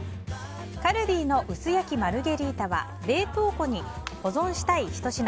カルディの薄焼きマルゲリータは冷凍庫に保存したい、ひと品。